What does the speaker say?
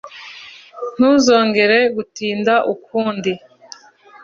Ntuzongere gutinda ukundi